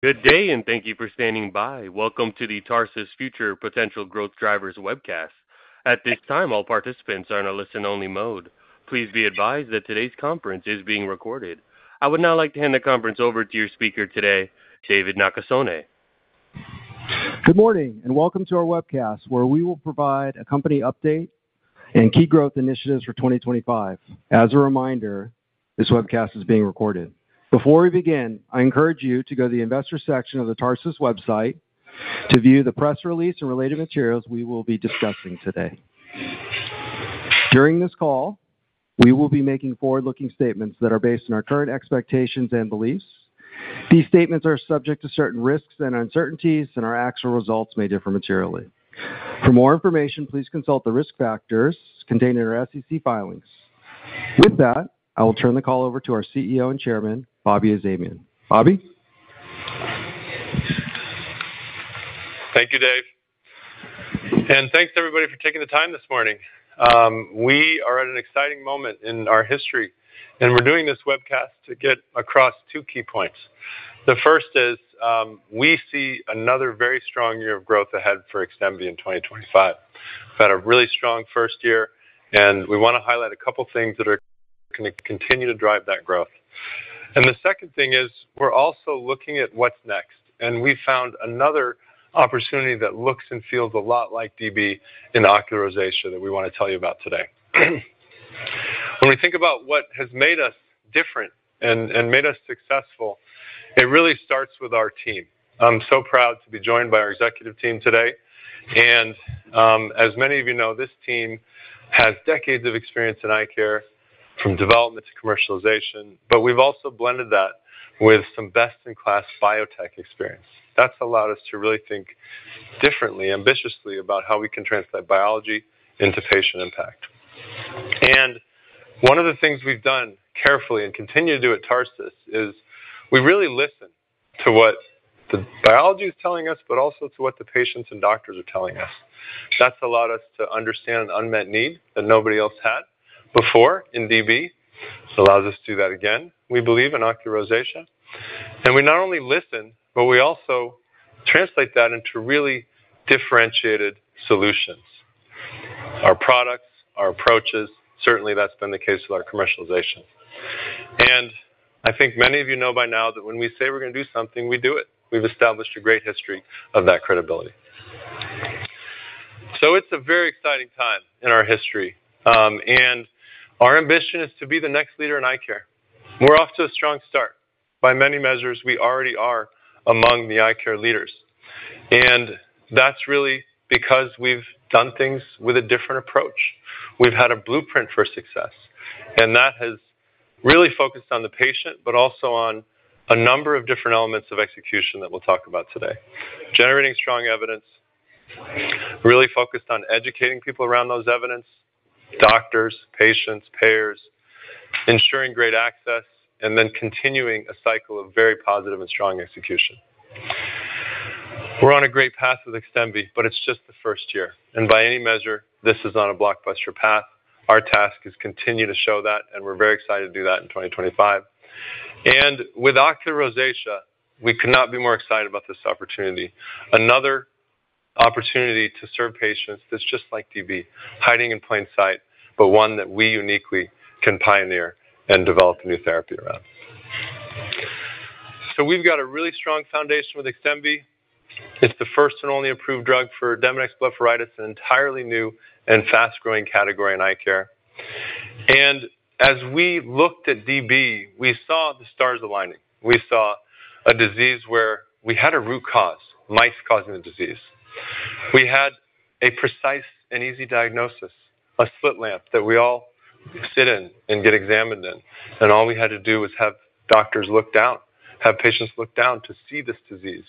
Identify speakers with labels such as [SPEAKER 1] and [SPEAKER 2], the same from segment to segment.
[SPEAKER 1] Good day, and thank you for standing by. Welcome to the Tarsus Future Potential Growth Drivers webcast. At this time, all participants are in a listen-only mode. Please be advised that today's conference is being recorded. I would now like to hand the conference over to your speaker today, David Nakasone.
[SPEAKER 2] Good morning, and welcome to our webcast, where we will provide a company update and key growth initiatives for 2025. As a reminder, this webcast is being recorded. Before we begin, I encourage you to go to the investor section of the Tarsus website to view the press release and related materials we will be discussing today. During this call, we will be making forward-looking statements that are based on our current expectations and beliefs. These statements are subject to certain risks and uncertainties, and our actual results may differ materially. For more information, please consult the risk factors contained in our SEC filings. With that, I will turn the call over to our CEO and Chairman, Bobak Azamian. Bobby?
[SPEAKER 3] Thank you, Dave. And thanks, everybody, for taking the time this morning. We are at an exciting moment in our history, and we're doing this webcast to get across two key points. The first is we see another very strong year of growth ahead for Xdemvy in 2025. We've had a really strong first year, and we want to highlight a couple of things that are going to continue to drive that growth. And the second thing is we're also looking at what's next, and we found another opportunity that looks and feels a lot like DB in ocular rosacea that we want to tell you about today. When we think about what has made us different and made us successful, it really starts with our team. I'm so proud to be joined by our executive team today. And as many of you know, this team has decades of experience in eye care, from development to commercialization, but we've also blended that with some best-in-class biotech experience. That's allowed us to really think differently, ambitiously, about how we can translate biology into patient impact. And one of the things we've done carefully and continue to do at Tarsus is we really listen to what the biology is telling us, but also to what the patients and doctors are telling us. That's allowed us to understand an unmet need that nobody else had before in DB. It allows us to do that again, we believe, in ocular rosacea. And we not only listen, but we also translate that into really differentiated solutions: our products, our approaches. Certainly, that's been the case with our commercialization. And I think many of you know by now that when we say we're going to do something, we do it. We've established a great history of that credibility. So it's a very exciting time in our history, and our ambition is to be the next leader in eye care. We're off to a strong start. By many measures, we already are among the eye care leaders. And that's really because we've done things with a different approach. We've had a blueprint for success, and that has really focused on the patient, but also on a number of different elements of execution that we'll talk about today: generating strong evidence, really focused on educating people around those evidence (doctors, patients, payers), ensuring great access, and then continuing a cycle of very positive and strong execution. We're on a great path with Xdemvy, but it's just the first year. By any measure, this is on a blockbuster path. Our task is to continue to show that, and we're very excited to do that in 2025. With ocular rosacea, we could not be more excited about this opportunity: another opportunity to serve patients that's just like DB, hiding in plain sight, but one that we uniquely can pioneer and develop a new therapy around. We've got a really strong foundation with Xdemvy. It's the first and only approved drug for Demodex blepharitis, an entirely new and fast-growing category in eye care. As we looked at DB, we saw the stars aligning. We saw a disease where we had a root cause, mites causing the disease. We had a precise and easy diagnosis, a slit lamp that we all sit in and get examined in. And all we had to do was have doctors look down, have patients look down to see this disease.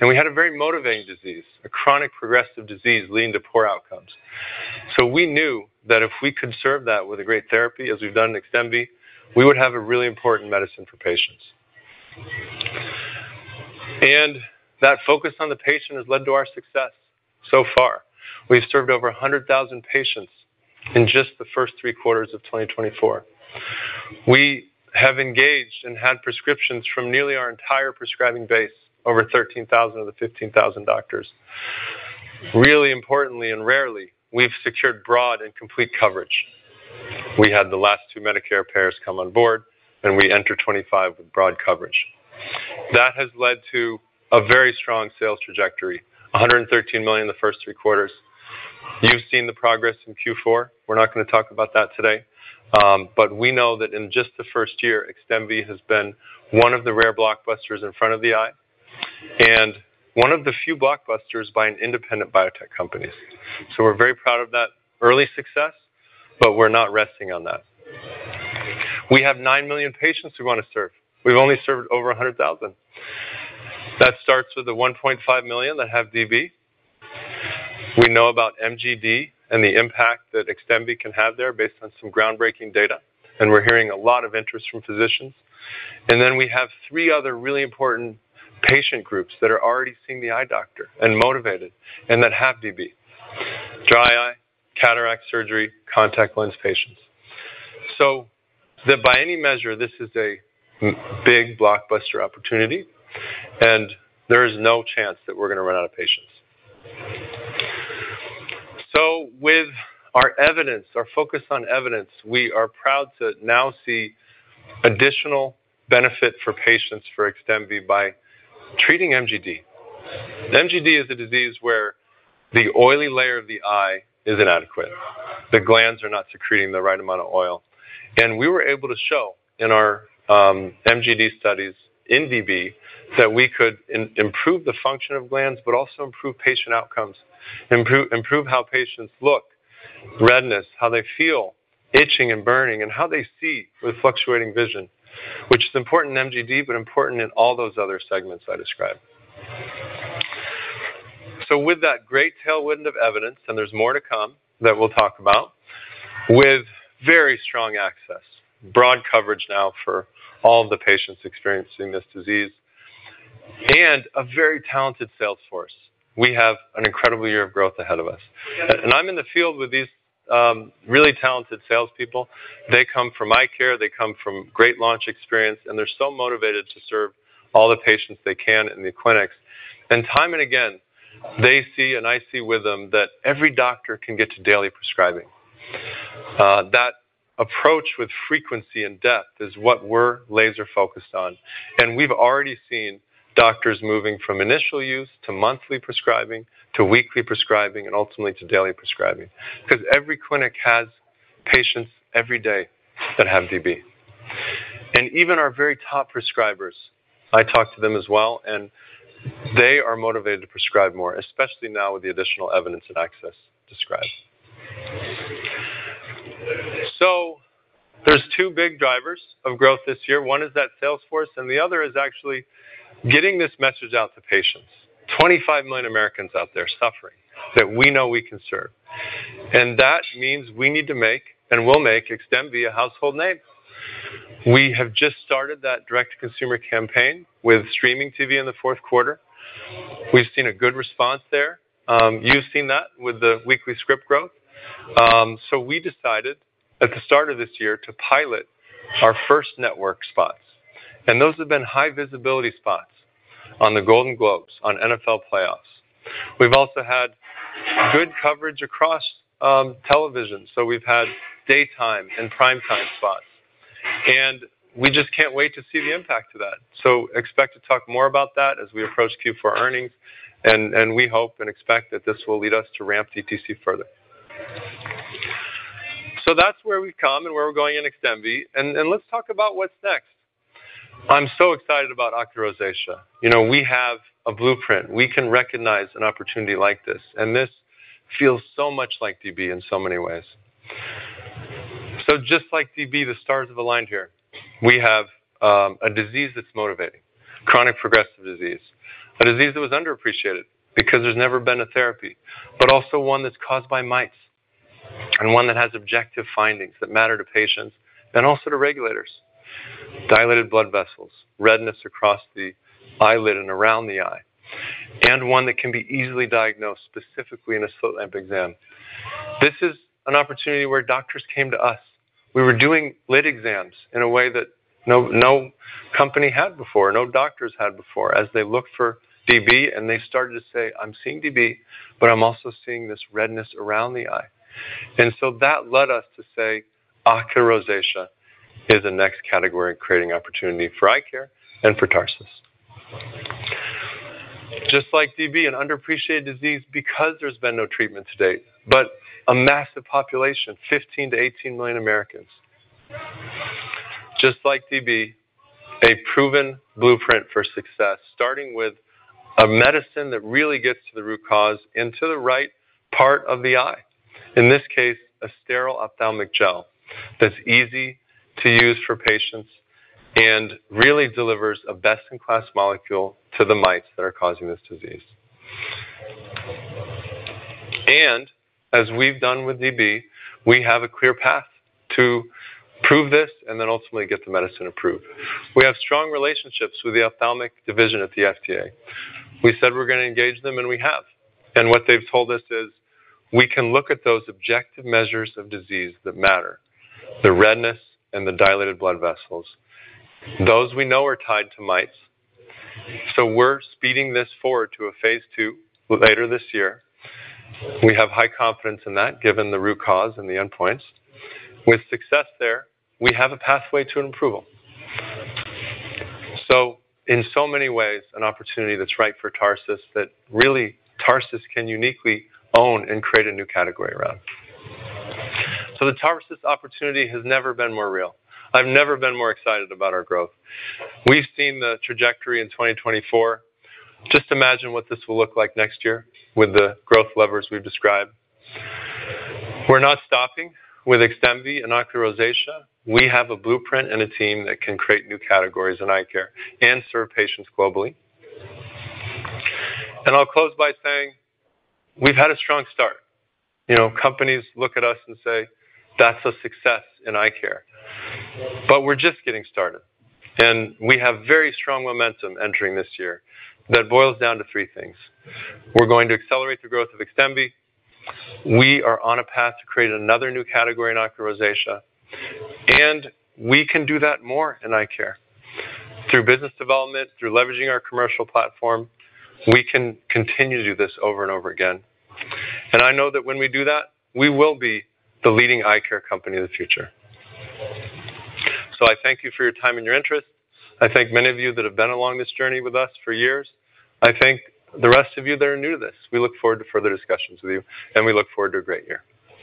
[SPEAKER 3] And we had a very motivating disease, a chronic progressive disease leading to poor outcomes. So we knew that if we could serve that with a great therapy, as we've done in Xdemvy, we would have a really important medicine for patients. And that focus on the patient has led to our success so far. We've served over 100,000 patients in just the first three quarters of 2024. We have engaged and had prescriptions from nearly our entire prescribing base, over 13,000 of the 15,000 doctors. Really importantly and rarely, we've secured broad and complete coverage. We had the last two Medicare payers come on board, and we entered '25 with broad coverage. That has led to a very strong sales trajectory: $113 million in the first three quarters. You've seen the progress in Q4. We're not going to talk about that today. But we know that in just the first year, Xdemvy has been one of the rare blockbusters in front of the eye and one of the few blockbusters by independent biotech companies. So we're very proud of that early success, but we're not resting on that. We have nine million patients we want to serve. We've only served over 100,000. That starts with the 1.5 million that have DB. We know about MGD and the impact that Xdemvy can have there based on some groundbreaking data, and we're hearing a lot of interest from physicians. And then we have three other really important patient groups that are already seeing the eye doctor and motivated and that have DB: dry eye, cataract surgery, contact lens patients. So by any measure, this is a big blockbuster opportunity, and there is no chance that we're going to run out of patients. So with our evidence, our focus on evidence, we are proud to now see additional benefit for patients for Xdemvy by treating MGD. MGD is a disease where the oily layer of the eye is inadequate. The glands are not secreting the right amount of oil. And we were able to show in our MGD studies in DB that we could improve the function of glands, but also improve patient outcomes, improve how patients look, redness, how they feel, itching and burning, and how they see with fluctuating vision, which is important in MGD, but important in all those other segments I described. With that great tailwind of evidence, and there's more to come that we'll talk about, with very strong access, broad coverage now for all of the patients experiencing this disease, and a very talented sales force, we have an incredible year of growth ahead of us. I'm in the field with these really talented salespeople. They come from eye care. They come from great launch experience, and they're so motivated to serve all the patients they can in the clinics. Time and again, they see and I see with them that every doctor can get to daily prescribing. That approach with frequency and depth is what we're laser-focused on. We've already seen doctors moving from initial use to monthly prescribing to weekly prescribing, and ultimately to daily prescribing, because every clinic has patients every day that have DB. Even our very top prescribers, I talk to them as well, and they are motivated to prescribe more, especially now with the additional evidence and access described. There's two big drivers of growth this year. One is that salesforce, and the other is actually getting this message out to patients. 25 million Americans out there suffering that we know we can serve. That means we need to make, and we'll make Xdemvy a household name. We have just started that direct-to-consumer campaign with streaming TV in the fourth quarter. We've seen a good response there. You've seen that with the weekly script growth. We decided at the start of this year to pilot our first network spots. Those have been high-visibility spots on the Golden Globes, on NFL playoffs. We've also had good coverage across television. We've had daytime and prime-time spots. And we just can't wait to see the impact of that. So expect to talk more about that as we approach Q4 earnings. And we hope and expect that this will lead us to ramp DTC further. So that's where we've come and where we're going in Xdemvy. And let's talk about what's next. I'm so excited about ocular rosacea. We have a blueprint. We can recognize an opportunity like this. And this feels so much like DB in so many ways. So just like DB, the stars have aligned here. We have a disease that's motivating: chronic progressive disease, a disease that was underappreciated because there's never been a therapy, but also one that's caused by mites and one that has objective findings that matter to patients and also to regulators: dilated blood vessels, redness across the eyelid and around the eye, and one that can be easily diagnosed specifically in a slit lamp exam. This is an opportunity where doctors came to us. We were doing lid exams in a way that no company had before, no doctors had before, as they looked for DB, and they started to say, "I'm seeing DB, but I'm also seeing this redness around the eye." And so that led us to say ocular rosacea is a next category in creating opportunity for eye care and for Tarsus. Just like DB, an underappreciated disease because there's been no treatment to date, but a massive population: 15-18 million Americans. Just like DB, a proven blueprint for success, starting with a medicine that really gets to the root cause into the right part of the eye, in this case, a sterile ophthalmic gel that's easy to use for patients and really delivers a best-in-class molecule to the mites that are causing this disease, and as we've done with DB, we have a clear path to prove this and then ultimately get the medicine approved. We have strong relationships with the ophthalmic division at the FDA. We said we're going to engage them, and we have, and what they've told us is we can look at those objective measures of disease that matter: the redness and the dilated blood vessels, those we know are tied to mites. We're speeding this forward to a Phase 2 later this year. We have high confidence in that, given the root cause and the endpoints. With success there, we have a pathway to an approval. In so many ways, an opportunity that's right for Tarsus that really Tarsus can uniquely own and create a new category around. The Tarsus opportunity has never been more real. I've never been more excited about our growth. We've seen the trajectory in 2024. Just imagine what this will look like next year with the growth levers we've described. We're not stopping with Xdemvy and ocular rosacea. We have a blueprint and a team that can create new categories in eye care and serve patients globally. I'll close by saying we've had a strong start. Companies look at us and say, "That's a success in eye care." We're just getting started. We have very strong momentum entering this year that boils down to three things. We're going to accelerate the growth of Xdemvy. We are on a path to create another new category in ocular rosacea. We can do that more in eye care through business development, through leveraging our commercial platform. We can continue to do this over and over again. I know that when we do that, we will be the leading eye care company in the future. I thank you for your time and your interest. I thank many of you that have been along this journey with us for years. I thank the rest of you that are new to this. We look forward to further discussions with you, and we look forward to a great year.